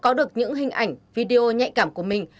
có được những hình ảnh video nhạy cảm của mình